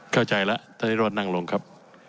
เข้าใจแล้วท่านวิโรธนั่งลงครับ